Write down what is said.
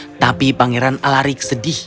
tetapi pangeran alaric sedih